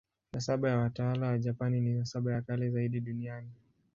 Nasaba ya watawala wa Japani ni nasaba ya kale zaidi duniani.